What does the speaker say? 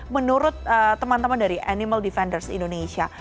menurut teman teman dari animal defenders indonesia